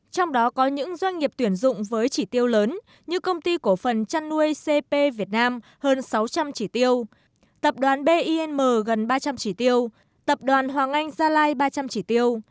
trong đó có những doanh nghiệp tuyển dụng với chỉ tiêu lớn như công ty cổ phần chăn nuôi cp việt nam hơn sáu trăm linh chỉ tiêu tập đoàn bim gần ba trăm linh chỉ tiêu tập đoàn hoàng anh gia lai ba trăm linh chỉ tiêu